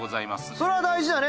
それは大事だね